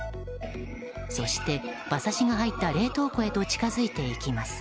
そして、馬刺しが入った冷凍庫へと近づいていきます。